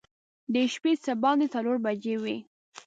د شپې څه باندې څلور بجې وې.